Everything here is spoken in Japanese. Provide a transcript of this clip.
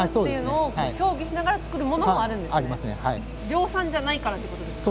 量産じゃないからっていうことですか？